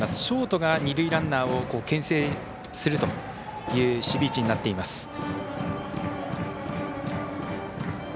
ショートが二塁ランナーをけん制するという守備位置になっています。